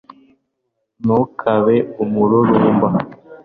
ntukabe umururumba